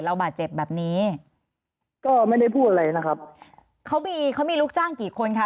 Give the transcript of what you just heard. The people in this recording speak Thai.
บาดเจ็บแบบนี้ก็ไม่ได้พูดอะไรนะครับเขามีเขามีลูกจ้างกี่คนคะ